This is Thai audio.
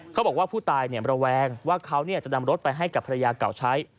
เขาบอกว่าผู้ตายระแวงว่าเขาจะนำรถไปให้กับภรรยาเก่าใช้